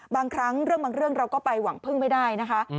บางครั้งเรื่องเราก็ไปหวังเพิ่งไม่ได้นะคะ